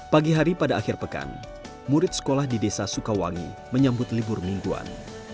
pagi hari pada akhir pekan murid sekolah di desa sukawangi menyambut libur mingguan